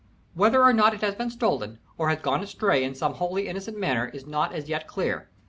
Whether or not it has been stolen, or has gone astray in some wholly innocent manner, is not as yet clear.